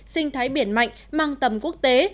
sinh thái biển mạnh mang tầm quốc tế